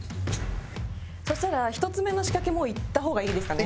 そしたら１つ目の仕掛けもういった方がいいですかね？